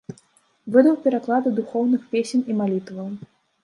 Выдаў пераклады духоўных песень і малітваў.